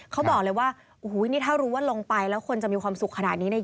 เขาบอกเลยว่าถ้ารู้ว่าลงไปแล้วคนจะมีความสุขขนาดนี้